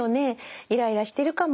イライラしてるかも。